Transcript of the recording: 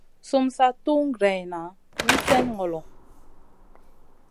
Sum sa tun greyna wi slèh ŋolo.